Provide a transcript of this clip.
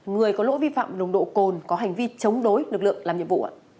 người có lỗi vi phạm nồng độ cồn có hành vi chống đối lực lượng làm nhiệm vụ ạ